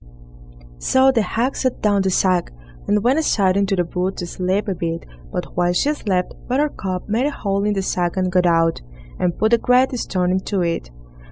So the hag set down the sack, and went aside into the wood to sleep a bit, but while she slept, Buttercup made a hole in the sack and got out, and put a great stone into it.